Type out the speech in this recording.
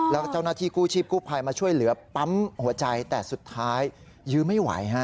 แล้วเจ้าหน้าที่กู้ชีพกู้ภัยมาช่วยเหลือปั๊มหัวใจแต่สุดท้ายยื้อไม่ไหวฮะ